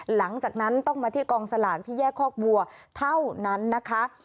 หลังจากนั้นต้องมาที่กองสลากที่แยกคอกวัวเท่านั้นนะคะ